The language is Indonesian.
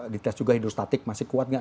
dites juga hidustatik masih kuat nggak